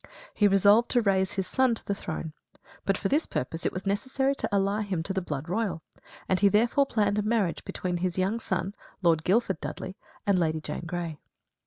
He resolved to raise his son to the throne. But for this purpose it was necessary to ally him to the blood royal, and he therefore planned a marriage between his young son, Lord Guilford Dudley, and Lady Jane Grey.